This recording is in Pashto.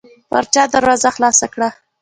يو چا دروازه خلاصه کړه.